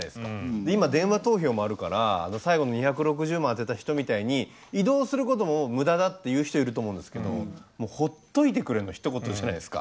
今電話投票もあるから最後の２６０万当てた人みたいに移動することも無駄だっていう人いると思うんですけどもうほっといてくれのひと言じゃないですか。